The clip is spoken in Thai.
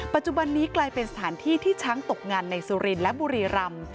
ปัจจุบันนี้กลายเป็นสถานที่ที่ช้างตกงานในสุรินและบุรีรำ